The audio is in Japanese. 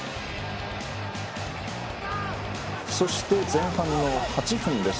そして前半の８分です。